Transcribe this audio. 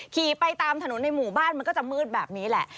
ขี่ไปตามถนนในหมู่บ้านมันก็จะมืดแบบนี้แหละ